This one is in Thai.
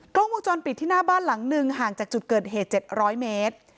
กล้องวงจรปิดที่หน้าบ้านหลังหนึ่งห่างจากจุดเกิดเหตุ๗๐๐เมตร